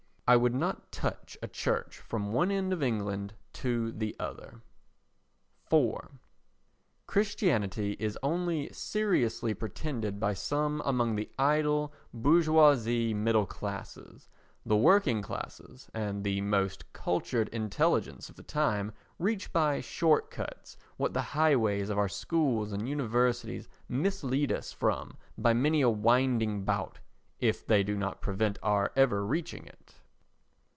I would not touch a church from one end of England to the other. iv Christianity is only seriously pretended by some among the idle, bourgeois middle classes. The working classes and the most cultured intelligence of the time reach by short cuts what the highways of our schools and universities mislead us from by many a winding bout, if they do not prevent our ever reaching it.